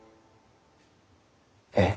えっ？